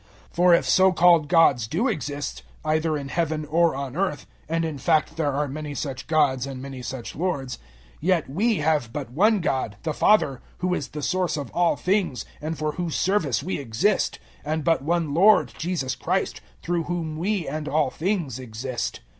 008:005 For if so called gods do exist, either in Heaven or on earth and in fact there are many such gods and many such lords 008:006 yet *we* have but one God, the Father, who is the source of all things and for whose service we exist, and but one Lord, Jesus Christ, through whom we and all things exist.